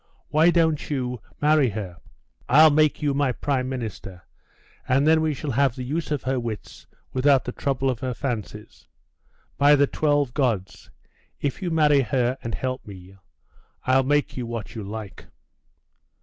Why don't you marry her? I'll make you my prime minister, and then we shall have the use of her wits without the trouble of her fancies. By the twelve Gods! If you marry her and help me, I'll make you what you like!